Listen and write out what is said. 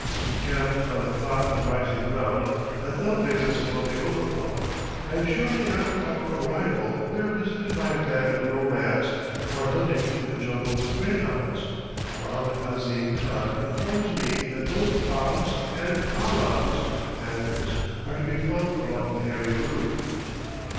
We camp on a plot of rising ground that elevates us above the overflow, and shortly after our arrival we are visited by a band of nomads who are hunting through the jungle with greyhounds, Mohammed Ahzim Khan informs me that both baabs, and palangs (panthers) are to be found along the Heri Rood.